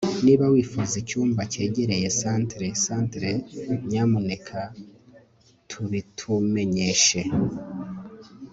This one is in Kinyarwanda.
niba wifuza icyumba cyegereye centre centre, nyamuneka tubitumenyeshe